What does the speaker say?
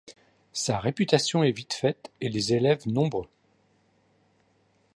Sa réputation est vite faite et les élèves nombreux.